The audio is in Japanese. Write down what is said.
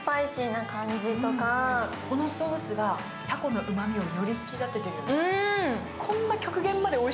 このソースがタコのうまみをより引き立ててくれてる。